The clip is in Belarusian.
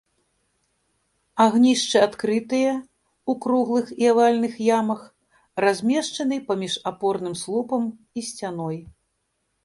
Агнішчы адкрытыя, у круглых і авальных ямах, размешчаны паміж апорным слупам і сцяной.